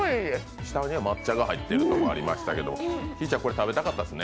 下には抹茶が入っているところがありましたけど、ひぃちゃん、これ食べたかったですね。